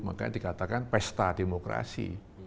makanya dikatakan pesta demokrasi